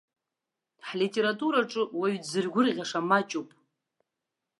Ҳлитератураҿы уаҩ дзыргәырӷьаша маҷуп.